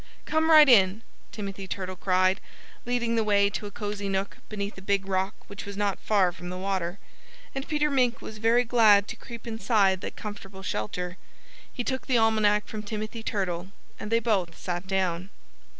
"Come right in!" Timothy Turtle cried, leading the way to a cozy nook beneath a big rock which was not far from the water. And Peter Mink was very glad to creep inside that comfortable shelter. He took the Almanac from Timothy Turtle and they both sat down.